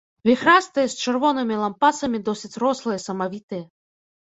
Віхрастыя, з чырвонымі лампасамі, досыць рослыя, самавітыя.